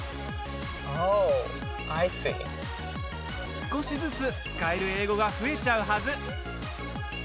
少しずつ使える英語が増えちゃうはず。